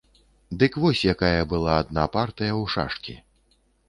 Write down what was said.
Дык вось якая была адна партыя ў шашкі.